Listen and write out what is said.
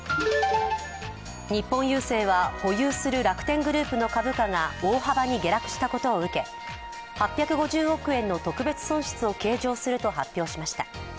日本郵政は保有する楽天グループの株価が、大幅に下落したことを受け、８５０億円の特別損失を計上すると発表しました。